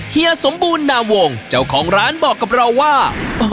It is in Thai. เฮียสมบูรณามวงเจ้าของร้านบอกกับเราว่า